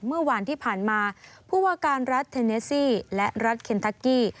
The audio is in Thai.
เมื่อวานที่ผ่านมาผู้ว่าการรัฐเทเนซี่และรัฐเคนทักกี้